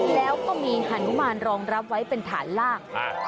แล้วก็มีฮานุมานรองรับไว้เป็นฐานลาก